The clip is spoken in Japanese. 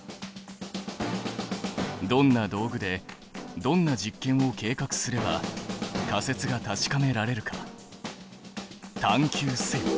どんな道具でどんな実験を計画すれば仮説が確かめられるか探究せよ！